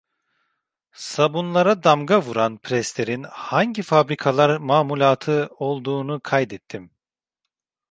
Sabunlara damga vuran preslerin hangi fabrikalar mamulatı olduğunu kaydettim.